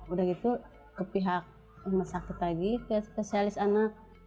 udah gitu ke pihak rumah sakit lagi ke spesialis anak